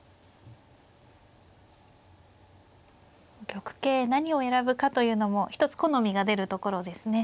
玉形何を選ぶかというのも一つ好みが出るところですね。